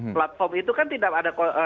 platform itu kan tidak ada